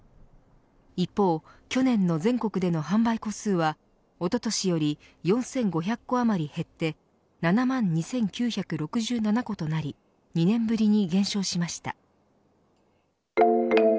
一方、去年の全国での販売戸数はおととしより４５００戸余り減って７万２９６７戸となり２年ぶりに減少しました。